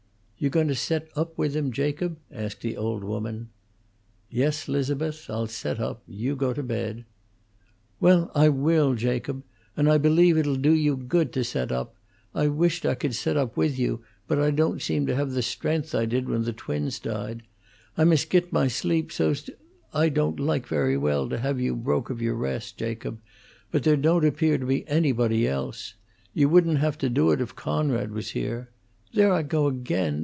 "You goin' to set up with him, Jacob?" asked the old woman. "Yes, 'Liz'beth, I'll set up. You go to bed." "Well, I will, Jacob. And I believe it 'll do you good to set up. I wished I could set up with you; but I don't seem to have the stren'th I did when the twins died. I must git my sleep, so's to I don't like very well to have you broke of your rest, Jacob, but there don't appear to be anybody else. You wouldn't have to do it if Coonrod was here. There I go ag'in!